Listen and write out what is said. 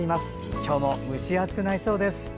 今日も、蒸し暑くなりそうです。